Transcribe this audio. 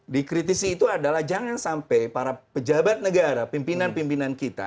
dikritisi itu adalah jangan sampai para pejabat negara pimpinan pimpinan kita